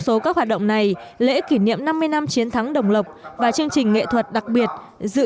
số các hoạt động này lễ kỷ niệm năm mươi năm chiến thắng đồng lộc và chương trình nghệ thuật đặc biệt giữa